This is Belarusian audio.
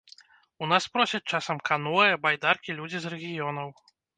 У нас просяць часам каноэ, байдаркі людзі з рэгіёнаў.